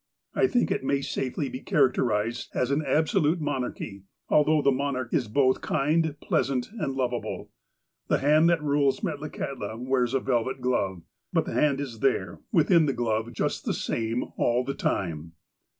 I think it may safely be characterized as an " absolute monarchy," although the monarch is both kind, pleasant, and lovable. The hand that rules Metla kahtla wears a velvet glove. But the hand is there within the glove just the same all the time.